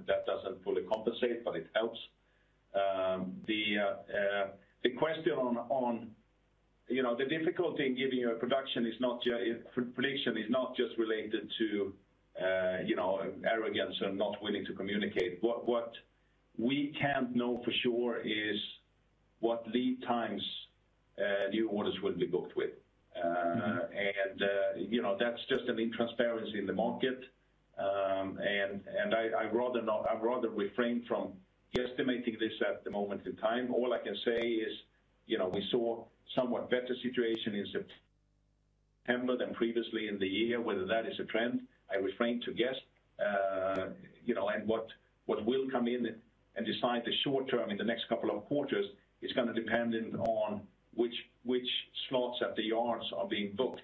That doesn't fully compensate, but it helps. The question on, you know, the difficulty in giving you a prediction is not just related to, you know, arrogance and not willing to communicate. What we can't know for sure is what lead times new orders will be booked with. You know, that's just an intransparency in the market. I'd rather refrain from guesstimating this at the moment in time. All I can say is, you know, we saw somewhat better situation in September than previously in the year. Whether that is a trend, I refrain to guess. You know, what will come in and decide the short term in the next couple of quarters is gonna depend on which slots at the yards are being booked.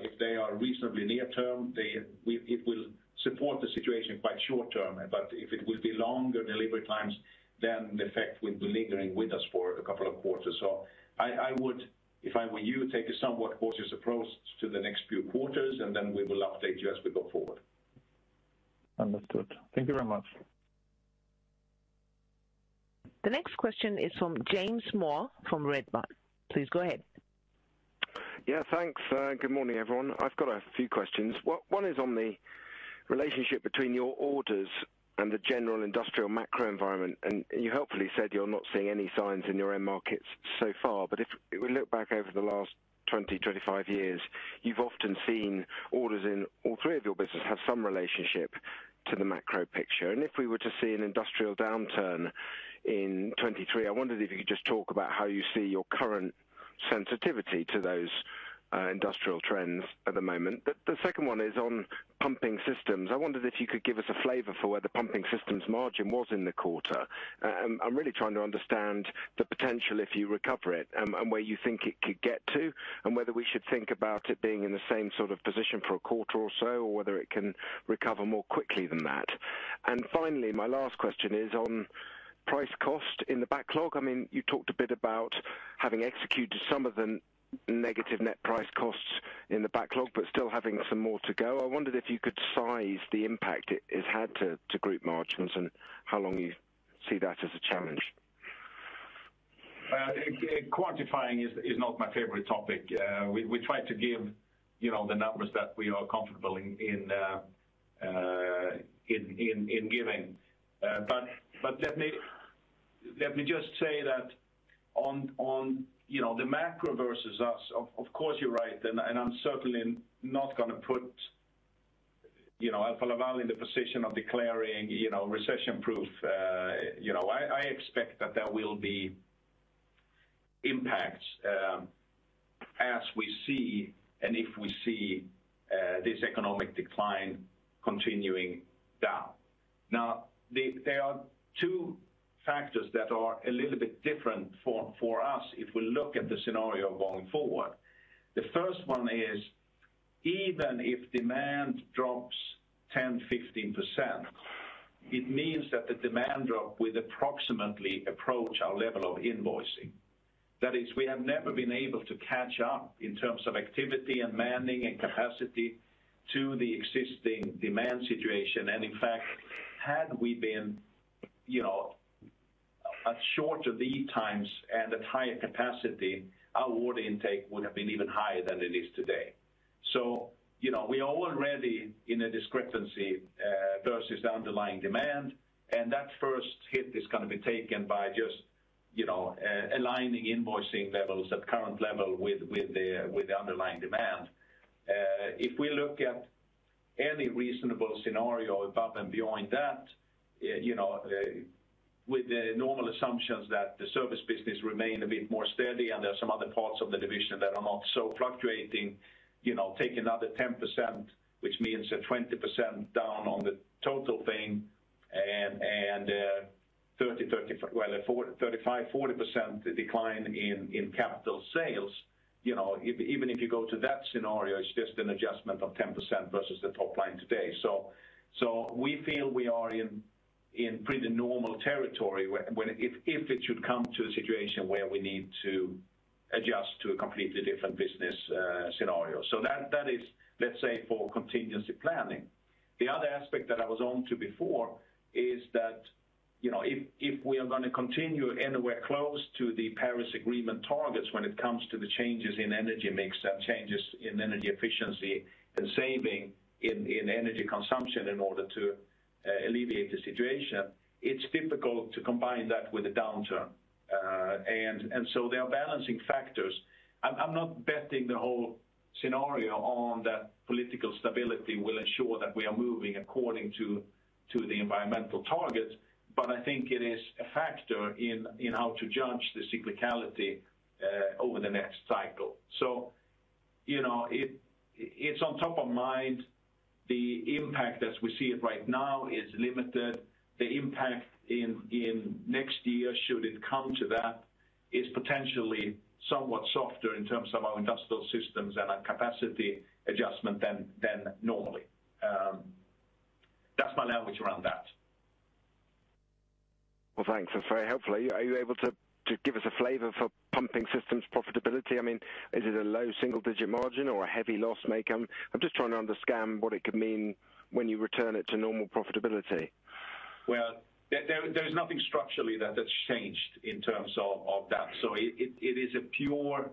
If they are reasonably near term, it will support the situation quite short term. If it will be longer delivery times, then the effect will be lingering with us for a couple of quarters. I would, if I were you, take a somewhat cautious approach to the next few quarters, and then we will update you as we go forward. Understood. Thank you very much. The next question is from James Moore from Redburn. Please go ahead. Yeah, thanks. Good morning, everyone. I've got a few questions. One is on the relationship between your orders and the general industrial macro environment. You helpfully said you're not seeing any signs in your end markets so far. If we look back over the last 25 years, you've often seen orders in all three of your business have some relationship to the macro picture. If we were to see an industrial downturn in 2023, I wondered if you could just talk about how you see your current sensitivity to those industrial trends at the moment. The second one is on pumping systems. I wondered if you could give us a flavor for where the pumping systems margin was in the quarter. I'm really trying to understand the potential if you recover it, and where you think it could get to, and whether we should think about it being in the same sort of position for a quarter or so, or whether it can recover more quickly than that. Finally, my last question is on price cost in the backlog. I mean, you talked a bit about having executed some of the negative net price costs in the backlog, but still having some more to go. I wondered if you could size the impact it's had to group margins and how long you see that as a challenge. Quantifying is not my favorite topic. We try to give, you know, the numbers that we are comfortable in giving. Let me just say that on, you know, the macro versus us, of course, you're right, and I'm certainly not gonna put, you know, Alfa Laval in the position of declaring, you know, recession-proof. You know, I expect that there will be impacts, as we see and if we see, this economic decline continuing down. Now, there are two factors that are a little bit different for us if we look at the scenario going forward. The first one is even if demand drops 10-15%, it means that the demand drop will approximately approach our level of invoicing. That is, we have never been able to catch up in terms of activity and manning and capacity to the existing demand situation. In fact, had we been, you know, at shorter lead times and at higher capacity, our order intake would have been even higher than it is today. You know, we are already in a discrepancy versus the underlying demand, and that first hit is gonna be taken by just, you know, aligning invoicing levels at current level with the underlying demand. If we look at any reasonable scenario above and beyond that, you know, with the normal assumptions that the service business remain a bit more steady and there are some other parts of the division that are not so fluctuating, you know, take another 10%, which means a 20% down on the total thing. Well, at 35-40% decline in capital sales. You know, even if you go to that scenario, it's just an adjustment of 10% versus the top line today. We feel we are in pretty normal territory when, if it should come to a situation where we need to adjust to a completely different business scenario. That is, let's say, for contingency planning. The other aspect that I was on to before is that, you know, if we are gonna continue anywhere close to the Paris Agreement targets when it comes to the changes in energy mix and changes in energy efficiency and saving in energy consumption in order to alleviate the situation, it's difficult to combine that with a downturn. So there are balancing factors. I'm not betting the whole scenario on that political stability will ensure that we are moving according to the environmental targets, but I think it is a factor in how to judge the cyclicality over the next cycle. You know, it's on top of mind. The impact as we see it right now is limited. The impact in next year, should it come to that, is potentially somewhat softer in terms of our industrial systems and our capacity adjustment than normally. That's my language around that. Well, thanks. That's very helpful. Are you able to to give us a flavor for pumping systems profitability? I mean, is it a low single-digit margin or a heavy loss-maker? I'm just trying to understand what it could mean when you return it to normal profitability. Well, there's nothing structurally that's changed in terms of that. It is a pure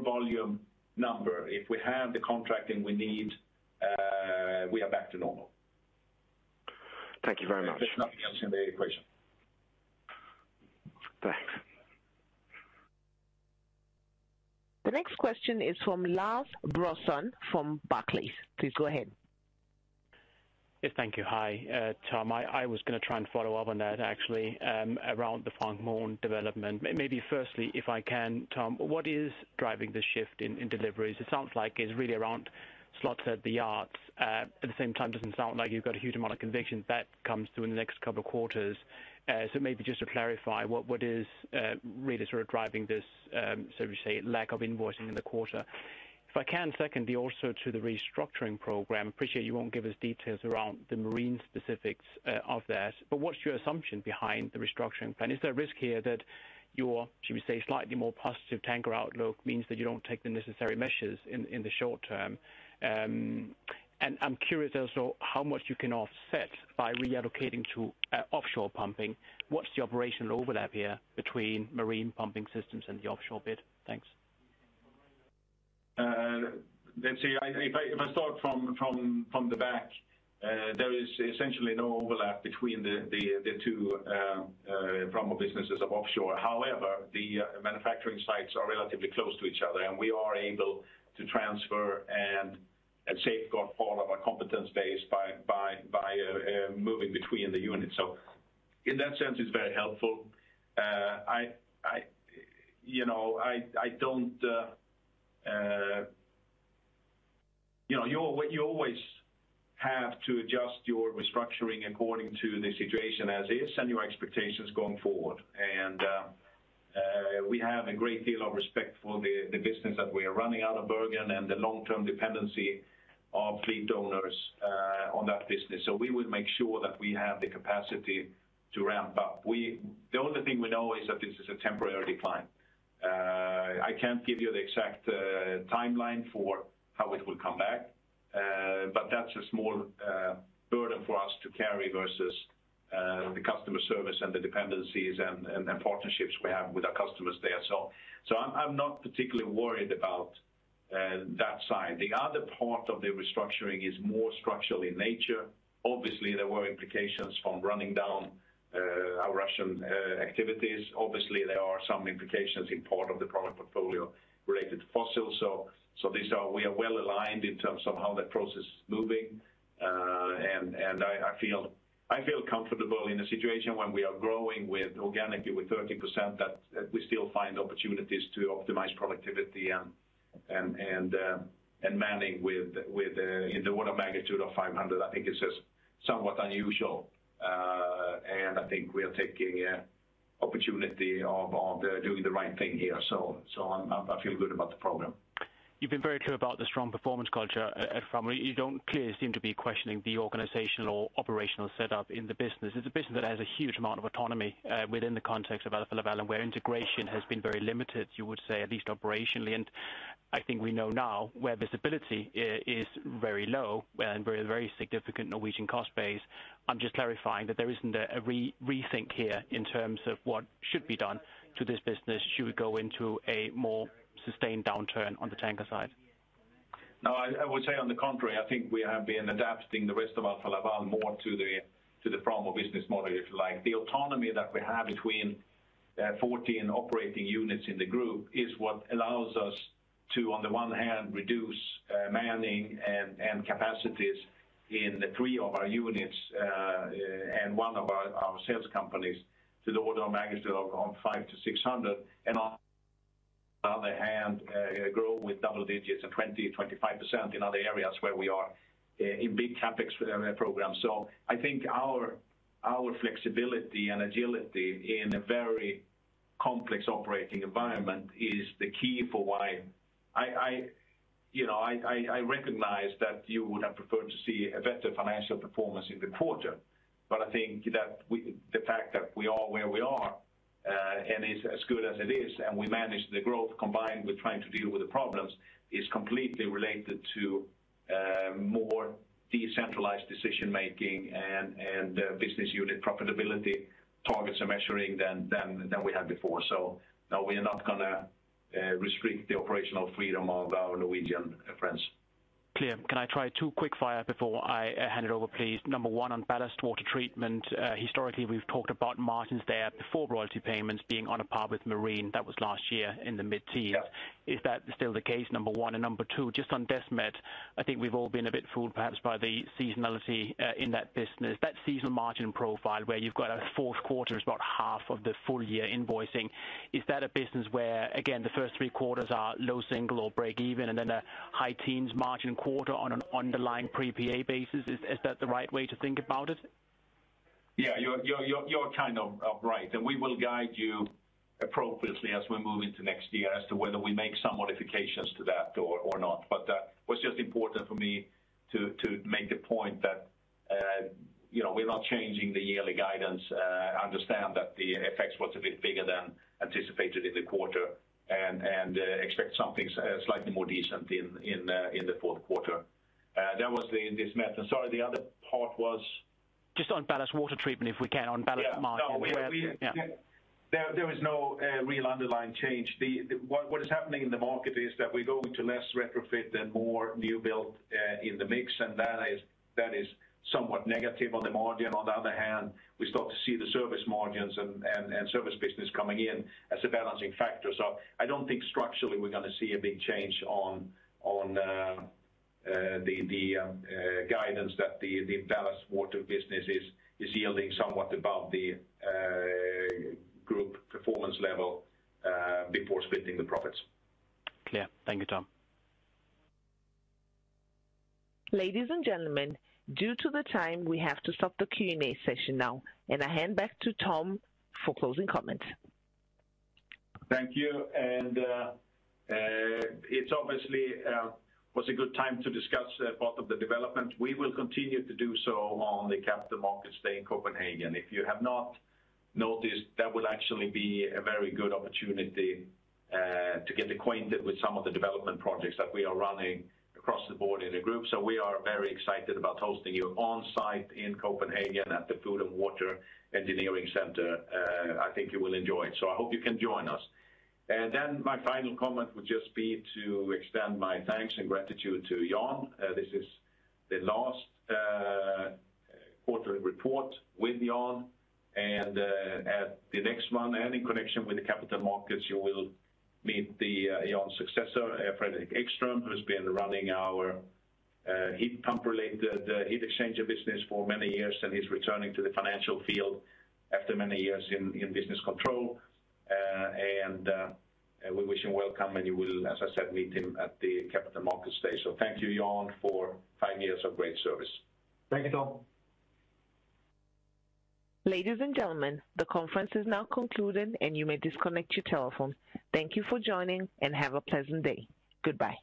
volume number. If we have the contracting we need, we are back to normal. Thank you very much. There's nothing else in the equation. Thanks. The next question is from Lars Brorson from Barclays. Please go ahead. Yes, thank you. Hi, Tom. I was gonna try and follow up on that actually, around the Framo development. Maybe firstly, if I can, Tom, what is driving the shift in deliveries? It sounds like it's really around slots at the yards. At the same time, doesn't sound like you've got a huge amount of conviction that comes through in the next couple quarters. So maybe just to clarify, what is really sort of driving this, shall we say, lack of invoicing in the quarter? If I can, secondly, also to the restructuring program. Appreciate you won't give us details around the Marine specifics of that. But what's your assumption behind the restructuring plan? Is there a risk here that your, should we say, slightly more positive tanker outlook means that you don't take the necessary measures in the short term? I'm curious also how much you can offset by reallocating to offshore pumping. What's the operational overlap here between Marine pumping systems and the offshore bid? Thanks. If I start from the back, there is essentially no overlap between the two Framo businesses of offshore. However, the manufacturing sites are relatively close to each other, and we are able to transfer and safeguard all of our competence base by moving between the units. In that sense, it's very helpful. You know, what you always have to adjust your restructuring according to the situation as is and your expectations going forward. We have a great deal of respect for the business that we are running out of Bergen and the long-term dependency of fleet owners on that business. We will make sure that we have the capacity to ramp up. The only thing we know is that this is a temporary decline. I can't give you the exact timeline for how it will come back. That's a small burden for us to carry versus the customer service and the dependencies and partnerships we have with our customers there. I'm not particularly worried about that side. The other part of the restructuring is more structural in nature. Obviously, there were implications from running down our Russian activities. Obviously, there are some implications in part of the product portfolio related to fossil. We are well aligned in terms of how that process is moving. I feel comfortable in a situation when we are growing organically with 30% that we still find opportunities to optimize productivity and manning with in the order of magnitude of 500. I think it's just somewhat unusual. I think we are taking opportunity of doing the right thing here. I feel good about the program. You've been very clear about the strong performance culture at Framo. You don't clearly seem to be questioning the organizational or operational setup in the business. It's a business that has a huge amount of autonomy within the context of Alfa Laval, where integration has been very limited, you would say, at least operationally. I think we know now where visibility is very low and very significant Norwegian cost base. I'm just clarifying that there isn't a rethink here in terms of what should be done to this business should we go into a more sustained downturn on the tanker side. No, I would say on the contrary, I think we have been adapting the rest of Alfa Laval more to the Framo business model, if you like. The autonomy that we have between 14 operating units in the group is what allows us to, on the one hand, reduce manning and capacities in three of our units and one of our sales companies to the order of magnitude of 500-600. On the other hand, grow with double digits and 25% in other areas where we are in big CapEx program. I think our flexibility and agility in a very complex operating environment is the key for why. You know, I recognize that you would have preferred to see a better financial performance in the quarter, but I think that the fact that we are where we are and it is as good as it is, and we manage the growth combined with trying to deal with the problems, is completely related to more decentralized decision-making and business unit profitability targets and measuring than we had before. No, we are not gonna restrict the operational freedom of our Norwegian friends. Clear. Can I try two quick-fire before I hand it over, please? Number one, on ballast water treatment. Historically, we've talked about margins there before royalty payments being on a par with Marine. That was last year in the mid-tier. Yeah. Is that still the case, number one? Number two, just on Desmet, I think we've all been a bit fooled, perhaps, by the seasonality in that business. That seasonal margin profile where you've got a fourth quarter is about half of the full year invoicing. Is that a business where, again, the first three quarters are low single or break even, and then a high teens margin quarter on an underlying pre-PA basis? Is that the right way to think about it? Yeah, you're kind of right. We will guide you appropriately as we move into next year as to whether we make some modifications to that or not. What's just important for me to make the point that you know, we're not changing the yearly guidance. Understand that the effects was a bit bigger than anticipated in the quarter and expect something slightly more decent in the fourth quarter. That was the Desmet. Sorry, the other part was? Just on ballast water treatment, if we can. On ballast market. Yeah. No. We Yeah. There is no real underlying change. What is happening in the market is that we're going to less retrofit than more new build in the mix, and that is somewhat negative on the margin. On the other hand, we start to see the service margins and service business coming in as a balancing factor. I don't think structurally we're gonna see a big change on the guidance that the ballast water business is yielding somewhat above the group performance level before splitting the profits. Clear. Thank you, Tom. Ladies and gentlemen, due to the time, we have to stop the Q&A session now, and I hand back to Tom for closing comments. Thank you. It was obviously a good time to discuss part of the development. We will continue to do so on the Capital Markets Day in Copenhagen. If you have not noticed, that will actually be a very good opportunity to get acquainted with some of the development projects that we are running across the board in the group. We are very excited about hosting you on-site in Copenhagen at the Food and Water Engineering Center. I think you will enjoy it. I hope you can join us. My final comment would just be to extend my thanks and gratitude to Jan. This is the last quarterly report with Jan, and at the next one and in connection with the Capital Markets Day, you will meet Jan's successor, Fredrik Ekström, who's been running our heat pump related heat exchange business for many years, and he's returning to the financial field after many years in business control. We wish him welcome, and you will, as I said, meet him at the Capital Markets Day. Thank you, Jan, for five years of great service. Thank you, Tom. Ladies and gentlemen, the conference is now concluded, and you may disconnect your telephone. Thank you for joining, and have a pleasant day. Goodbye.